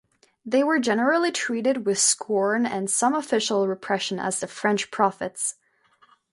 They were generally treated with scorn and some official repression as the "French Prophets".